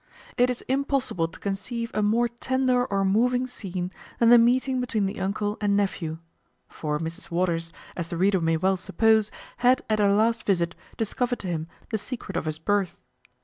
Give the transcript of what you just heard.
It is impossible to conceive a more tender or moving scene than the meeting between the uncle and nephew (for Mrs Waters, as the reader may well suppose, had at her last visit discovered to him the secret of his birth).